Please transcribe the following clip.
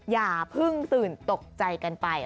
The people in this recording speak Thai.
อย่าเพิ่งตื่นตกใจกันไป